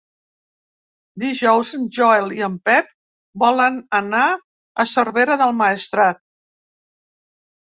Dijous en Joel i en Pep volen anar a Cervera del Maestrat.